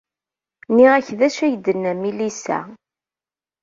Nniɣ-ak d acu ay d-tenna Melissa?